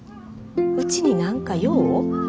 うちに何か用？